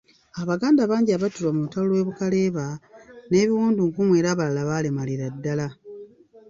Abaganda bangi abattirwa mu lutalo lw'e Bukaleeba, n'ab'ebiwundu nkumu era abalala baalemalira ddala.